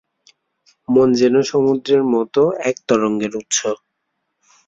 মন যেন সমুদ্রের মত এক তরঙ্গের উৎস।